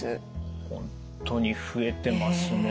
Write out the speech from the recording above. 本当に増えてますね。